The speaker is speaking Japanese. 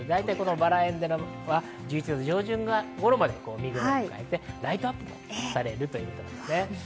バラ園では１１月上旬頃まで見ごろを迎えてライトアップもされるということです。